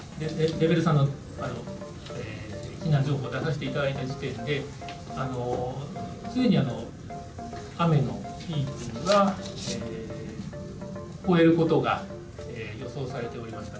レベル３の避難情報を出させていただいた時点で、すでに雨のピークは越えることが予想されておりました。